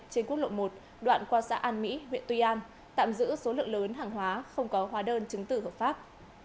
trên quốc lộ một đoạn qua xã an mỹ huyện tuy an tạm giữ số lượng lớn hàng hóa không có hóa đơn chứng tử hợp pháp